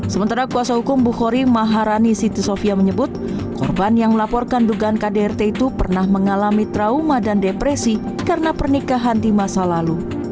sementara kuasa hukum bukhari maharani siti sofia menyebut korban yang melaporkan dugaan kdrt itu pernah mengalami trauma dan depresi karena pernikahan di masa lalu